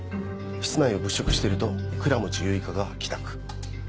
室内を物色してると倉持結花が帰宅。